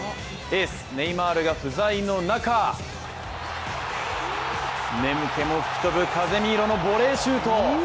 エース・ネイマールが不在の中眠気も吹き飛ぶカゼミーロのボレーシュート。